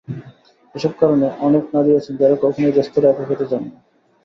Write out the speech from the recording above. এসব কারণে, অনেক নারী আছেন যারা কখনোই রেস্তোরাঁয় একা খেতে যান না।